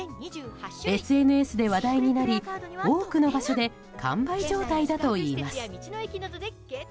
ＳＮＳで話題になり多くの場所で完売状態だといいます。